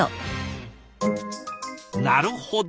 なるほど！